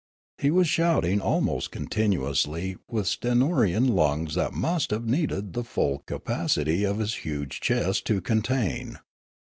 He was shouting almost continuously with stentorian lungs that must have needed the full 226 Riallaro capacity of his huge chest to contain.